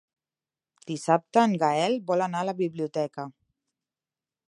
Dissabte en Gaël vol anar a la biblioteca.